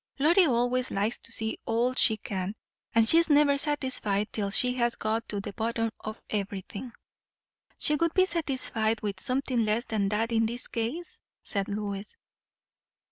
Lottie always likes to see all she can, and is never satisfied till she has got to the bottom of everything " "She would be satisfied with something less than that in this case?" said Lois.